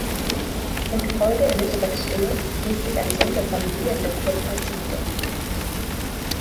Im Gefolge Elisabeth Stuarts ließ sich ein Sohn der Familie in der Kurpfalz nieder.